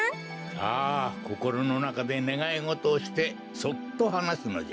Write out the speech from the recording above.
さあこころのなかでねがいごとをしてそっとはなすのじゃ。